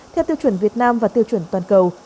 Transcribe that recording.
theo tiêu chuẩn việt nam và tiêu chuẩn toàn cầu